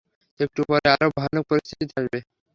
একটু পরে আরও ভয়ানক পরিস্থিতি আসবে।